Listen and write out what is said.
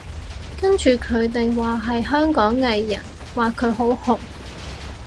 跟住佢哋話係香港藝人，話佢好紅